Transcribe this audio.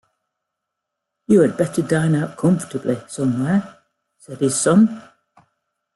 "You had better dine out comfortably somewhere," said his son.